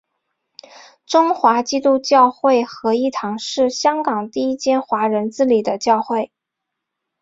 中华基督教会合一堂是香港第一间华人自理的教会。